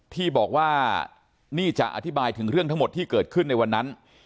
ที่บอกว่านี่จะอธิบายถึงเรื่องทั้งหมดที่เกิดขึ้นในวันนั้น